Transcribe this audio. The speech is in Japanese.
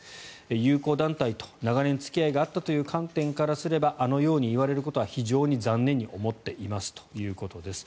友好団体と長年付き合いがあったという観点があったとすればあのように言われることは非常に残念に思っていますということです。